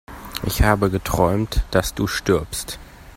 Ich habe geträumt, dass du stirbst!